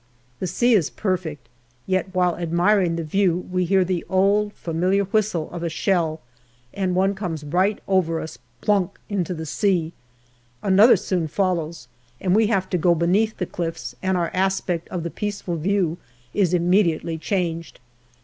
The sea is perfect, yet while admiring the view we hear the old familiar whistle of a shell, and one comes right over us, " plonk " into the sea. Another soon follows, and we have to go beneath the cliffs, and our aspect of the peaceful view is immediately changed.